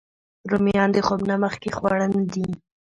رومیان د خوب نه مخکې خواړه نه دي